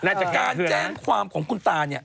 จากการแจ้งความของคุณตาเนี่ย